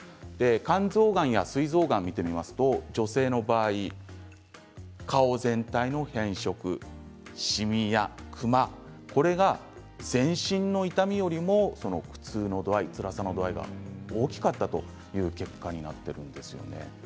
肝臓がんやすい臓がんを見てみますと女性の場合顔全体の変色、しみやくまこれが全身の痛みよりも苦痛の度合い、つらさの度合いが大きかったという結果になっているんです。